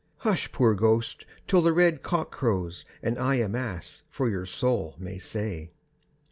"Hush, poor ghost, till the red cock crows, And I a Mass for your soul may say."